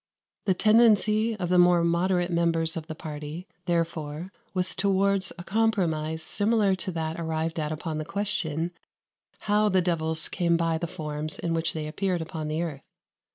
The tendency of the more moderate members of the party, therefore was towards a compromise similar to that arrived at upon the question how the devils came by the forms in which they appeared upon the earth.